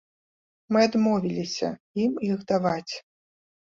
Мы адмовіліся ім іх даваць.